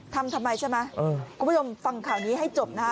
ทำทำไมใช่ไหมก็พยมฟังข่าวนี้ให้จบนะ